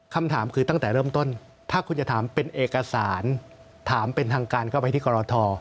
คำถามคือตั้งแต่เริ่มต้นถ้าคุณจะถามเป็นเอกสารถามเป็นทางการเข้าไปที่กรท